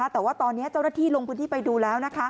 แต่ว่าตอนนี้เจ้าหน้าที่ลงพื้นที่ไปดูแล้ว